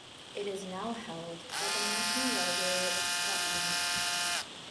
It is now held by the National Library of Scotland.